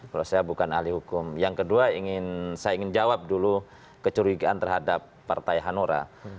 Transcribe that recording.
kalau saya bukan ahli hukum yang kedua saya ingin jawab dulu kecurigaan terhadap partai hanura